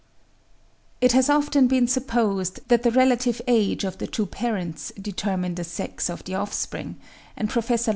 It has often been supposed that the relative age of the two parents determine the sex of the offspring; and Prof. Leuckart (55.